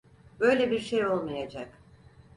Böyle birşey olmayacak.